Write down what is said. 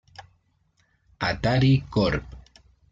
Atari Corp.